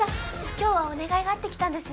今日はお願いがあって来たんです。